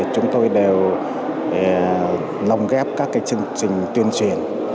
chúng tôi đều lồng ghép các chương trình tuyên truyền